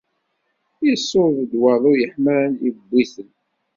Iṣuḍ-d waḍu yeḥman, iwwi-ten.